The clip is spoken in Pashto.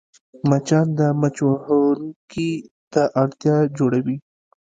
مچان د مچ وهونکي ته اړتیا جوړوي